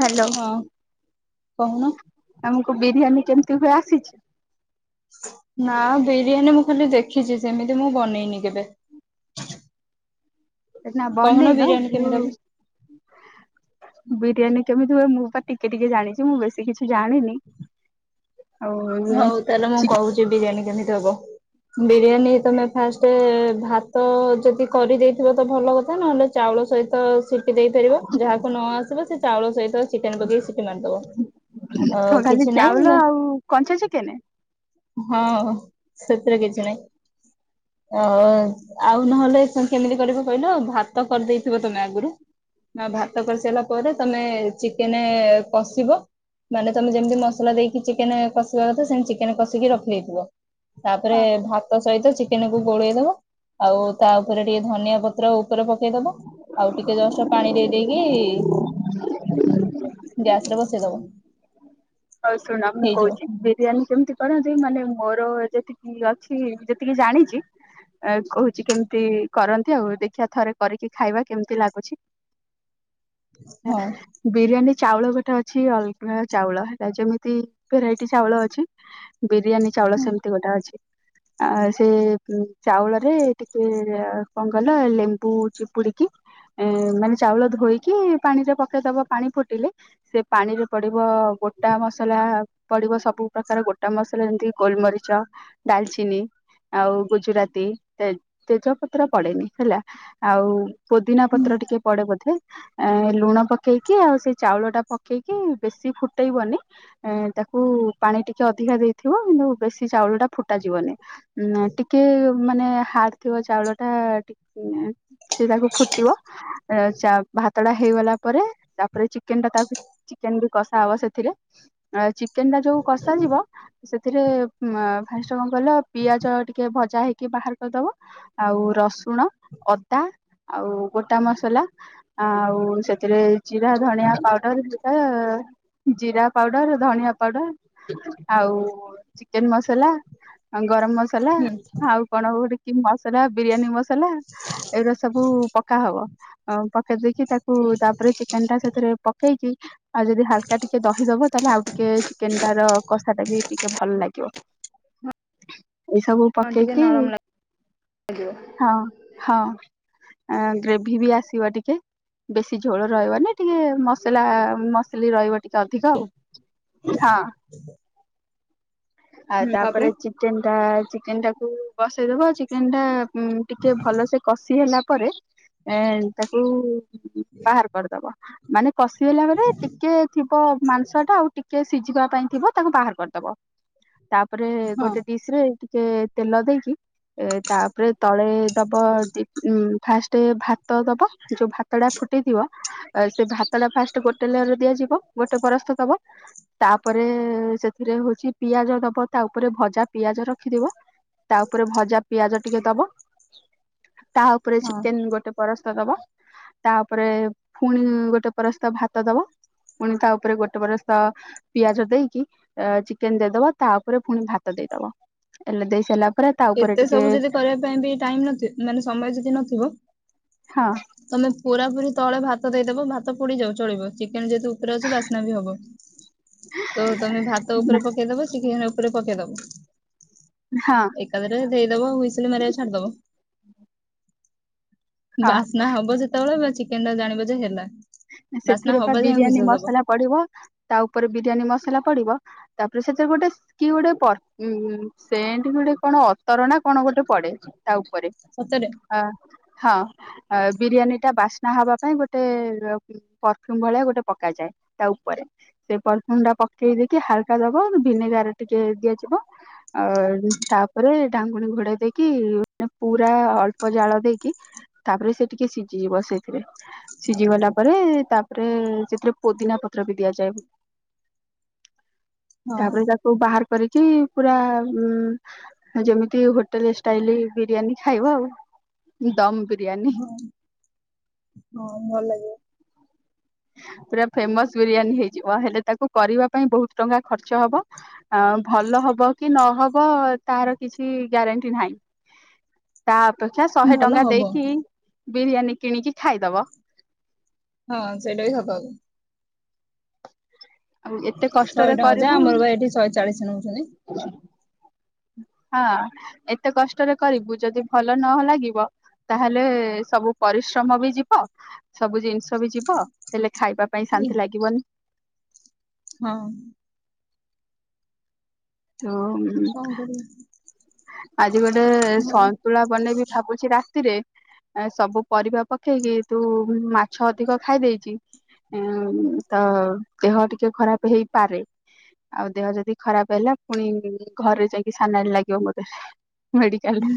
Hello ହଁ କହୁନ ଆମକୁ ବିରିୟାନୀ କେମିତି ହୁଏ ଆସିଛି? ନା ବିରିୟାନୀ ମୁଁ ଖାଲି ଦେଖିଛି ସେମିତି ମୁଁ ବନେଇନି କେବେ। [unintelligible] କହୁନ ବନେଇନ [inaudible] ବିରିୟାନୀ କେମିତି ହବ ବିରିୟାନୀ କେମିତି ହୁଏ ମୁଁ ବା ଟିକେ ଟିକେ ଜାଣିଛି ମୁଁ ବେଶୀ କିଛି ଜାଣିନି ଆଉ ହଉ ତାହେଲେ ମୁଁ କହୁଛି ବିରିୟାନୀ କେମିତି [inaudible] ବିରିୟାନୀ ତମେ ଫାଷ୍ଟ ଭାତ ଯଦି କରିଦେଇଥିବ ତ ଭଲ କଥା ନହେଲେ ଚାଉଳ ସହିତ ତ ସିଟି ଦେଇପାରିବ ଯାହାକୁ ନ ଆସିବ ସେ ଚାଉଳ ସହିତ ଚିକେନ ପକେଇ ସିଟି ମାରିଦବ ଚିକ ଆଉ ଖାଲି କିଛି ଚାଉଳ ନହିଁ ମୁଁ ଆଉ କଞ୍ଚା ଚିକେନ। ହଁ ସେଥିରେ କିଛି ନାହିଁ ଅ-ଆଉ ନହେଲେ କେମିତି କରିବ କହିଲ ଭାତ କରିଦେଇଥିବ ତମେ ଆଗରୁ ନା ଭାତ [unintelligible] ପରେ ତମେ ଚିକେନ କଷିବ ମାନେ ତମେ ଯେମତି ମସଲା ଦେଇକି ଚିକେନ କ କଷିବା କଥା ସେମ ଚିକେନ କଷିକି ରଖିଦେଇଥିବ। ତାପରେ ଭାତ ସହିତ ଚିକେନକୁୁ ଗୋଳେଇଦବା ଆଉ ତା ଉପରେ ଟିକେ ଧନିଆ ପତ୍ର [inaudible] ପକେଇଦବା ଆଉ ଟିକେ ଜଷ୍ଟ ପାଣି ଦେଇ ଦେଇ ଗ୍ୟାସ ର ବସେ [unintelligible] ହଉ ଶୁଣ ମୁଁ କହୁଛି ବିରିୟାନୀ କେମତି କରନ୍ତି ମାନେ ମୋର ଯେତିକି ଅଛି ଯେତିକି ଜାଣିଛି କହୁଛି କେମତି କରନ୍ତି ଆଉ ଦେଖିବା ଥରେ କରିକି ଖାଇବା କେମିତି ଲାଗୁଛି। ହଁ ବିରିୟାନୀ ଚାଉଳ ଗୋଟେ ଅଛି [unintelligible] ଚାଉଳ। ତା ଯେମିତି ଭେରାଇଟି ଚାଉଳ ଅଛି ବିରିୟାନୀ ଚାଉଳ ସେମତି ଗୋଟା ଅଛି। ଆ ସେ ଉଁ ଚାଉଳରେ ଟିକେ କଣ କହିଲ ଲେମ୍ବୁ ଚିପୁଡିକି ଏ ମାନେ ଚାଉଳ ଧୋଇକି ପାଣିରେ ପକେଇଦବ ପାଣି ଫୁଟିଲେ ସେ ପାଣିରେ ପଡିବ ଗୋ ଟା ମସଲା ପଡିବ ସବୁ ପ୍ରକାର ଗୋଟା ମସଲା ଯେମିତିକି ଗୋଲମରିଚ, ଡାଲଚିନି, ଆଉ ଗୁଜୁରାତି ତେ-ତେଜପତ୍ର ପଡ଼େନି ହେଲା ଆଉ ପୋଦିନା ପତ୍ର ଟିକେ ପଡେ ବୋଧେ। ଏ ଲୁଣ ପକେଇକି ଆଉ ସେଇ ଚାଉଳଟା ପକେଇକି ବେଶୀ ଫୁ ଫୁଟେଇବନି ଏଁ ତାକୁ ପାଣି ଟିକେ ଅଧିକା ଦେଇଥିବ କିନ୍ତୁ ବେଶୀ ଚାଉଳଟା ଫୁଟା ଯିବନି। ନାଁ ଟିକେ ମାନେ ହାଡ୍ ଥିବ ଚାଉଳଟା ଟିକ୍ ଏଁ ସେ ତାକୁ ଫୁଟିବ ଏ ଚା-ଭାତଟା ହେଇଗଲା ପରେ ତାପରେ ଚିକେନଟା ତାବି ଚିକେନ ବି କଷା ହବ ସେ ଥିରେ ଆଁ ଚି ଚିକେନଟା ଯୋଉ କସାଯିବ ସେଥିରେ ଉଁ ଫାଷ୍ଟ କଣ କହିଲ ପିଆଜ ଟିକେ ଭଜା ହେଇକି ବାହାର କରିଦବ ଆଉ ରସୁଣ ଅଦା ଆଉ ଗୋଟା ମସଲା ଆଉ ସେଥିରେ ଜିରା ଧଣିଆ ପାଉଡରଟା ଜିରା ପାଉଡର ଧଣିଆ ପାଉଡର ଆଉ ଚିକେନ ମସଲା ଆଉ ଗରମ ମସଲା ହୁଁ ଆଉ କଣ କୋଉଠି କିନ୍ ମସ୍ ମସଲା ବିରିୟାନୀ ମସଲା ଏଇଗୁରା ସବୁ ପକାହବ। ଅ ପକେଇ ଦେଇକି ତାକୁ ତାପରେ ଚିକେନଟା ସେଥିରେ ପକେଇକି ଆଉ ଯଦି ହଲକା ଟି ଦହିଦବ ତାହେଲେ ଆଉ ଟିକେ ଚିକେନଟାର କଷାଟା ବି ଟିକେ ଭଲ ଲାଗେ। [unintelligible] ଏଇସବୁ ହଁ ଟିକେ ପକେଇକି ନରମ ଲାଗିବ ହଁ ହଁ ଅଁ ଗ୍ରେଭି ବି ଆସିବ ଟିକ୍ ଟିକେ ବେଶୀ ଝୋଳ ରହିବନି ଟିକେ ମସଲା ମସଲି ରହିବ। ଟିକେ ଅଧିକ ଆଉ ହଁ। ଆଉ ତାପରେ ଚିକେନ ତା ଚିକେନଟାକୁ ବସେଇଦବ ଚିକେନଟା ଉଁ ଟିକେ ଭଲସେ କଷି ହେଲା ପରେ ଏଁ ତା ଉ ବାହାର କରିଦବ। ମାନେ କଷିଗଲା ପରେ ଟିକେ କ ମାଂସ ଟା ଆଉ ଟିକେ ସି ସିଝିବା ପାଇଁ ଥିବ ତାକୁ ବାହାର କରିଦ ବ ତାପ ତାପରେ ହଁ ଗୋଟେ ଡିଶ ରେ ତେ- ତେଲ ଦେଇକି ଏ ତାପରେ ତଳେ ଦେବ ଫାଷ୍ଟ ଭାତ ଦେବ ଯେଉଁ ଭାତଟା ଫୁଟାଇଥିବ ସେ ଭାତଟା ଫାଷ୍ଟ ଗୋଟେ ଲେୟର ଦିଆଯିବ। ଗୋଟେ ପରସ୍ତ ଦବ ତାପରେ ସେଥିରେ ହଉଛି ପିଆଜ ଦବ ତା ଉପରେ ଭଜା ପିଆଜ ରଖିଦବ ତା ଉପରେ ଭଜା ପିଆଜ ଟିକେ ଦବ ତା ଉପରେ ହଁ ଚିକେନ ଗୋଟେ ପରସ୍ତ ଦବ ତାପରେ ପୁଣି ଗୋଟେ ପରସ୍ତ ଭାତ ଦବ। ପୁଣି ତା ଉପରେ ଗୋଟେ ପରସ୍ତ ପିଆଜ ଦେଇକି ଚିକେନ ଦେଇଦବ ତା ଉପରେ ପୁଣି ଭାତ ଦେଇଦବ ହେଲେ ଦେଇ ସାରିଲା ପରେ ତା ଉପରେ ଏତେ ଟିକେ ସବୁ ଯଦି କରିବା ପାଇଁ ବି ଟାଇମ ନ ମାନେ ସମୟ ଯଦି ନଥିବ ହଁ ତମେ ପୁରାପୁରି ତଳ ଭାତ ଦେଇଦବ ଭାତ ପୋଡି ଯାଉ ଚଳିବ ଚି ଚିକେନ ଯଦି ଉପରେ ଅଛି ବାସ୍ନା ବି ହବ ତ ତମେ ଭାତ ଉପରେ ପକେଇଦବ ଚିକେନ ଉପରେ ପକେଇଦବ ହଁ। ଏକାଦରେ ଦେଇଦବ ହୁଇସିଲ ମାରିବାକୁ ଛାଡିଦବ। ହଁ ବାସ୍ନା ହବ ସେତେବେଳେ ବାଛି ଚିକେନ ଟା ଜାଣିବ ଯେ ହେଲା। ବାସ୍ନା ସେଥିରେ ପା ହବ ଯାଏ ବିରିୟାନୀ ହୁଇସିଲ ଦବ। ମସଲା ପଡିବ ତା ଉପରେ ବିରିୟାନୀ ମସଲା ପଡିବ। ତାପରେ ସେଥିରେ ଗୋଟେ କି ଗୋଟେ ସେ ଗୋଟେ ସେଣ୍ଟ ଫେଣ୍ଟ କଣ ଅତର ନା କଣ ଗୋଟେ ପଡେ। ତା ଉପରେ ସତରେ ହଁ। ଅ ବିରିୟାନୀ ଟା ବାସ୍ନା ହବା ପାଇଁ ଗୋଟେ ପରଫ୍ୟୁମ ଭଳିଆ ଗୋଟେ ପକାଯାଏ ତା ଉପରେ ସେ ପରଫ୍ୟୁମ ଟା ପକେଇ ଦେଇକି ହାଲକା ଦବ ଭିନେଗାର ଟିକେ ଦିଆଯିବ ଆ ତାପରେ ଢାଙ୍ଗୁଣୀ ଘୋଡେଇ ଦେଇକି ପୁରା ଅଳ୍ପ ଜାଳ ଦେଇକି ତାପରେ ସେ ଟିକେ ସିଝିଯିବ ସେଥିରେ ସିଝିଗଲା ତା ପରେ ତାପରେ ସେଥିରେ ପୋଦିନା ପତ୍ର ବି ଦିଆଯାଏ। ହଁ ତାପରେ ତାକୁ ବାହାର କରିକି ପୁରା ଯେମିତି ହୋଟେଲ ଷ୍ଟାଇଲ ବିରିୟାନୀ ଖାଇବ ଆଉ ଦମ ବିରିୟାନୀ। ହଁ ହଁ ଭଲ ଲାଗିବ। ପୁରା ଫେମସ ବିରିୟାନୀ ହେଇଯିବ ହେଲେ ତାକୁ କରିବା ପାଇଁ ବହୁତ ଟଙ୍କା ଖର୍ଚ୍ଚ ହବ ଆ ଭଲ ହବ କି ନହବ ତାର କିଛି ଗ୍ୟାରେଣ୍ଟି ନାହିଁ ତା [unintelligible] ଶହେ ଭଲ ଟଙ୍କା ହବ। ଦେଇକି ବିରିୟାନୀ କିଣିକି ଖାଇଦବ। ହଁ ସେଇଟା ବି ହବା ଆଉ ଏତେ ଶହେ କଷ୍ଟରେ ଟଙ୍କା ଯା କରିବୁ ଆମର ଭ ଏଠି ଶହେ ଚାଳିଶ ନେଉଛନ୍ତି। ହଁ ଏତେ କଷ୍ଟରେ କରିବୁ ଯଦି ଭଲ ନ ଲାଗିବ ତାହେଲେ ସବୁ ପରିଶ୍ରମ ବି ଯିବ ସବୁ ଜିନିଷ ବି ଯିବ ହେଲେ ଖାଇବା ପାଇଁ ଶାନ୍ତି ଲାଗିବନି ହଁ। ତ କଣ କରିବା ଆଜି ଗୋଟେ ହଉ ସନ୍ତୁଳା ବନେଇବି ଭାବୁଛି ନା ରେ ସବୁ ପରିବା ପକେଇକି ତୁ ମାଛ ଅଧିକ ଖାଇ ଦେଇେଇଚ ତ ଦେହ ଟିକେ ଖରାପ ହେଇପାରେ ଆଉ ଦେହ ଯଦି ଖରାପ ହେଲା। ପୁଣି ଘରେ ଯାଇକି ସାନଣି ଲାଗିବ ମୋତେ ମେଡିକାଲରେ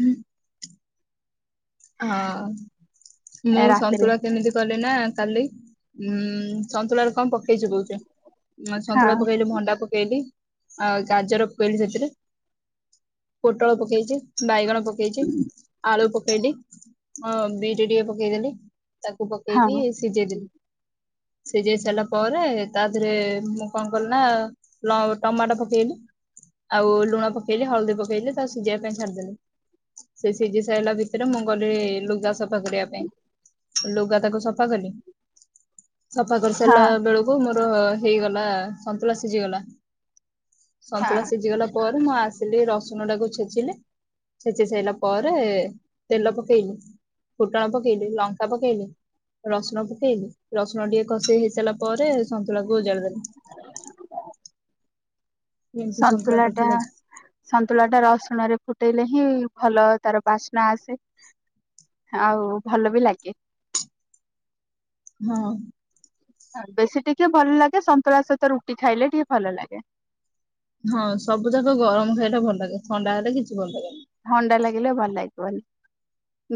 ହଁ। ମୁଁ ରାତିରେ ସନ୍ତୁଳା କେମିତି କଲି ନା କାଲି ଉଁ ସନ୍ତୁଳାରେ କଣ ପ ପକେଇ କହୁଛି ହଁ ସନ୍ତୁଳା ପକେଇଲି ଭଣ୍ଡାକୁ ଭେଣ୍ଡି ପକେଇଲି ଆଉ ଗାଜର ପକେଇଲି ସେଥିରେ ପୋଟଳ ପକେଇଛି ବାଇଗଣ ପକେଇଛି ଆଳୁ ପକେଇ ଏ ହଁ ବିଟ ଟିକେ ପକେଇଦେଲି ତାକୁ ହଁ ପକେଇକି ସିଝେଇ ଦେବୁ ସିଝେଇ ସାରିଲା ପରେ ତା ଦେରେ ମୁଁ କଣ କଲି ନା ଟମାଟୋ ପକେଇଲି ଆଉ ଲୁଣ ପକେଇଲି ହଳଦୀ ପକେଇଲି ତା ସିଝେଇ ପାଇଁ ଛାଡିଦେଲି ସେ ସିଜି ସେଲ ଭିତ୍ର ମୁ ଲ ଯ ସବ ବଗଡ଼ିବା ପାଇଁ ଲୁଗା ତାକୁ ସଫା କଲି ସଫା କରିସାରିଲା ହଁ ବେଳକୁ ମତ ହେଇଗଲା ସନ୍ତୁଲା ସିଝିଗଲା ହଁ ସନ୍ତୁଳା ସିଝିଗଲା ପରେ ମୁଁ ଆସିଲି ରସୁଣ ଟାକୁ ଛେଜିଲି ସେଚି ସାଇଲା ପରେ ତେଲ ପକେଇଲି ଫୁଟଣ ପକେଇଲି ଲଙ୍କା ପକେଇଲି ରସୁଣ ପକେଇଲି ରସୁଣ ଟିକେ କଷେଇ ହେଇସାରିଲା ପରେ ସନ୍ତୁଳାକୁ ଓଜାଡିଦଲି ସନ୍ତୁଳା ଟା ସନ୍ତୁଳା ଟା ରସୁଣ ରେ ଫୁଟେଇଲେ ହିଁ। ଭଲ ତାର ବାସ୍ନା ଆସେ ଆଉ ଭଲ ବି ଲାଗେ ହଁ। ବେଶୀ ଟିକେ ଭଲ ଲାଗେ ସନ୍ତୁଳା ସହିତ ରୁଟି ଖାଇଲେ ଟିକେ ଭଲ ଲାଗେ ହଁ ସବୁ ଯାକ ଗରମ ଖାଇଲୋ ଭଲ ଲାଗେ ଥଣ୍ଡା ଖାଇଲେ କିଛି ଭଲ ଲାଗେନି ଥଣ୍ଡା ଲାଗିଲେ ଭଲ ଲାଗିବନି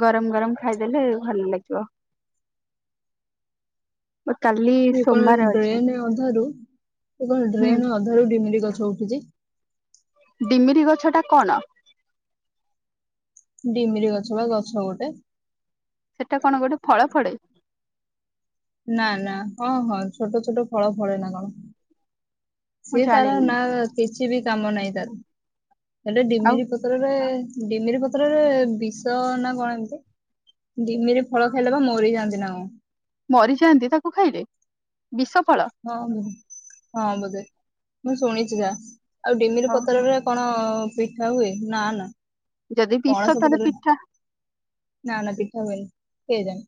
ଗରମ ଗରମ ଖାଇଦେଲେ ଭଲ ଲାଗିବ। କାଲି ସେ କଣ ସୋମବାର ଅଛି ଡ୍ରେନ୍ ଅଧାରୁ ସେ କଣ ହୁଁ ଡ୍ରେନ୍ ଅଧାରୁ ଡିମିରି ଗଛ ଉଠିଛି। ଡିମିରି ଗଛ ଟା କଣ? ଡିମିରି ଗଛ ବା ଗଛ ଗୋଟେ ସେଟା କଣ ଗୋଟେ ଫଳ ଫଡେ ନା ନା ହଁ ହଁ ଛୋଟ ଛଟ ଫଳ ଫରେ ନା କଣ? ମୁଁ ସିଏ ତାାର ଜାଣିନି ନା କିଛି ବି କାମ ନାହିଁ ତାର। ସେଟା ଆଉ ଡିମିରି ପତ୍ରରେ ଡିମିରି ପତ୍ରରେ ବିଷ ନା କଣ? ଏମିତି ଡିମିରି ଫଳ ଖାଇଲେ ବା ମରି ଯାଆନ୍ତି ନା କଣ? ମରିଯାଆନ୍ତି ତାକୁ ଖାଇଲେ? ବିଷଫଳ। ହଁ ବୋଧେ ହଁ ବଧେ ମୁଁ ଶୁଣିଛି ଯା। ଆଉ ଡିମିର ଓହୋ ପତ୍ରରେ କଣ ପିଠା ହୁଏ ନା ନା। ଯଦି କଣ ବିଷ ସବୁ ତାହେଲେ କରନ୍, ପିଠା ନା ନା ପିଠା ହୁଏନି। କେଜାଣି?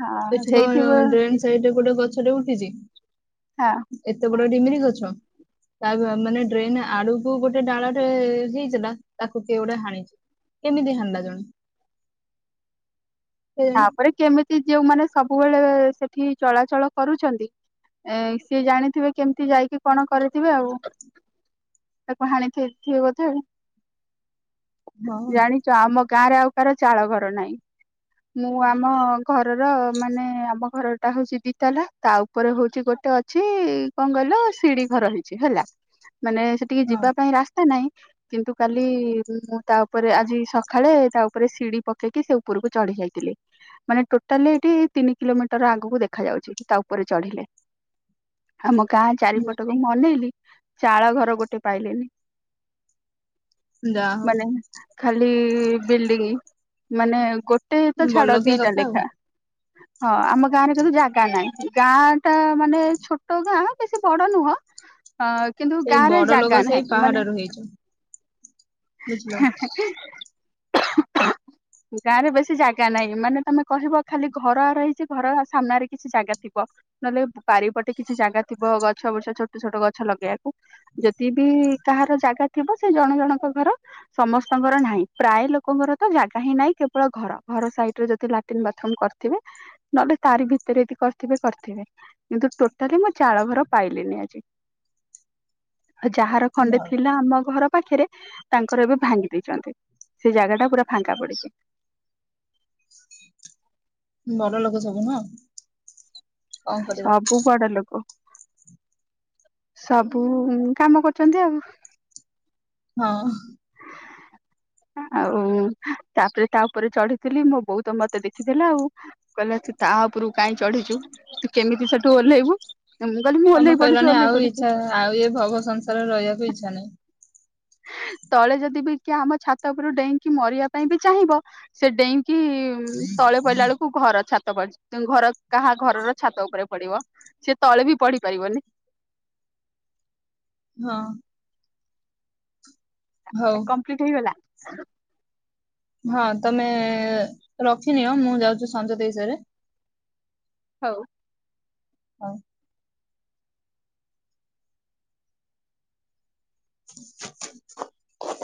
ହଁ ସେଠି କଣ ହେଇଥିବ ଡ୍ରେନ୍ ସାଇଡ ରେ ଗୋଟେ ଗ ଗଛ ଟେ ଉଠିଚି। ହଁ ଏତେ ଗୋଟେ ଡିମିରି ଗଛ ତା ବ-ମାନେ ଡ୍ରେନ୍ ଆଡକୁ ଗୋଟେ ଡାଳଟେ ଯିଇଥିଲା, ତାକୁ କିଏ ଗୋଟେ ହାଣିଚି କେମିତି ହାଣିଲା ଜଣେ। କେଜାଣି ତାପରେ କେମିତି ଯୋଉ ମାନେ ସବୁବେଳେ ସେଠି ଚଳାଚଳ କରୁଛନ୍ତି। ଏଁ ସିଏ ଜାଣିଥିବେ କେମିତି ଯାଇକି କଣ କରିଥିବେ ଆଉ ତାକୁ ହାଣି ଥି ଥିବେ ବୋଧେ ଆଉ। ହଁ ଜାଣିଚ ଆମ ଗାଁରେ ଆଉ କାର ଚାଳ ଘର ନାହିଁ। ମୁଁ ଆମ ଘରର ମାନେ ଆମ ଘର ଟା ହଉଚି ଦିତାଲା ତା ଉପରେ ହଉଚି ଗୋଟେ ଅଛି କଣ କହିଲ ଶିଡି ଘର ହେଇଛି। ହେଲା ମାନେ ସେଠିକି ହଁ ଯିବା ପାଇଁ ରାସ୍ତା ନାହିଁ। କିନ୍ତୁ କାଲି ମୁଁ ତା ଉପରେ ଆଜି ସଖାଳେ ତା ଉପରେ ସିଡ଼ି ପକେଇକି ସେ ଉପରକୁ ଚଢ଼ି ଯାଇ ଥିଲି ମାନେ ଟୋଟାଲି ଏଠି ତିନି କିଲୋମିଟର୍ ଆଗକୁ ଦେଖ ଯାଉଛି। ତା ଉପରେ ଚଢିଲେ। ଆମ ଗାଁ ଯା- ଚାରିପଟକୁ ମୁଁ ଅନେଇଲି ଚାଳ ଘର ଗୋଟେ ପାଇଲିନି। ଯାହା ହଉ ମାନେ ଖାଲି ବିଲ୍ଡିଙ୍ଗ। ମାନେ ଗୋଟେ ତ ଛାଡ଼ ବଲକିଆ ଦିଟା କଥା ଆଉ ଲେଖା। ହଁ ଆମ ଗାଁରେ କିନ୍ତୁ ଜାଗା ନାହିଁ। ଗାଁ ଟା ମାନେ ଛୋଟ ଗାଁ ବେଶୀ ବଡ ନୁହଁ। ହଁ କିନ୍ତୁ ସେଇ ଗାଁରେ ବଡ ଜାଗା ଲୋକ ସେଇ ନାହିଁ ମାନେ ପାହାଡରୁ ହେଇଛ ବୁଝିଲ। [unintelligible] ଗାଁରେ ବସି ଯାଗ ଜାଗା ନାହିଁ ମାନେ ତମେ କହିବ ଖାଲି ଘରରହିଇଛି ଘର ସାମ୍ନାରେ କିଛି ଜାଗା ଥିବ ନହେଲେ ବାରିପଟେ କିଛି ଜାଗା ଥିବ ଗଛ ବଛ ଛୋଟ ଛୋଟ ଗଛ ଲଗେଇବାକୁ ଯଦି ବିି କାହାର ଜାଗା ଥିବ ସେ ଜଣ ଜଣଙ୍କ ଘର ସମସ୍ତଙ୍କର ନାହିଁ ପ୍ରାୟ ଲୋକଙ୍କର ତ ଜାଗା ହିଁ ନାହିଁ କେବଳ ଘର ଘର ସାଇଟରେ ଯଦି ଲାଟିନ୍ ବାଥରୁମ୍ କରିଥିବେ ନହେଲେ ତାରି ଭିତରେ କରିିବେ କରିଥିବେ କିନ୍ତୁ ଟୋଟାଲି ମୁଁ ଚାଳ ଘର ପାଇଲିି ନି ଆଜି। ଆଉ ଯାହାର ଖଣ୍ଡେ ଭଲ। ଥିଲା ଆମ ଘର ପାଖରେ ତାଙ୍କର ଏବେ ଭାଙ୍ଗି ଦେଇଛନ୍ତି ସେ ଜାଗା ଟା ପୁରା ଫାଙ୍କା ପଡିଛି। ବଡ ଲୋକ ସବୁ ନା ସବୁ ବଡ ଲୋକ ସବୁ କାମ କରୁଛନ୍ତି ଆଉ। ହଁ। ଆଉ ତାପରେ ତା ଉପରେ ଚଢିଥିଲି ମୋ ବୋଉ ତ ମତେ ଦେଖିଥିଲା ଆଉ, କହିଲା ତୁ ତା ଉପରକୁ କାହିଁକି ଚଢିଛୁ ତୁ କେମିତି ସେଠୁ ଓହ୍ଲେଇବୁ? ମୁଁ କହିଲି ମୁଁ ତମେ ଓହ୍ଲେଇ ପଡୁଛି କହିଲଣିି ଓହ୍ଲେଇ ଆଉ ପଡୁଛି ଇଛା ଆଉ ଏ ଭବ ସଂସାରରେ ରହିବାକୁ ଇଚ୍ଛା ନାହିଁ। ତଳେ ଯଦି ବି ଆମ ଛାତ ଉପରୁ ଡେଇଙ୍କି ମରିବା ପାଇଁ ବି ଚାହିଁବ ସେ ଡେଇଁ କି ତଳେ ପଡିଲା ବେଳକୁ ଘର ଛାତ ଘର କାହା ଘରର ଛାତ ଉପରେ ପଡିବ ସିଏ ତଳେ ବି ପଡିପାରିବନି। ହଁ। ହଉ କମ୍ପ୍ଲିଟ୍ ହେଇଗଲା। ହ [unintelligible] ହଁ ତମେ ରଖିନିଅ ମୁଁ ଯାଉଛି ସଞ୍ଜ ଦେଇସାରେ। ହଉ। ହଉ [unintelligible] [unintelligible]